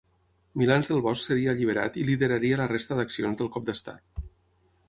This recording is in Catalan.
Milans del Bosch seria alliberat i lideraria la resta d'accions del cop d'estat.